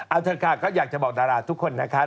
เอาเถอะค่ะก็อยากจะบอกดาราทุกคนนะคะ